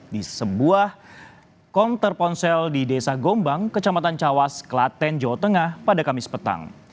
di sebuah komputer ponsel di desa gombang kecamatan cawas klaten jawa tengah pada kamis petang